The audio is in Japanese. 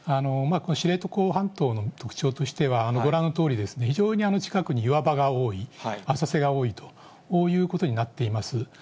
知床半島の特徴としては、ご覧のとおり、非常に近くに岩場が多い、浅瀬が多いということになっています。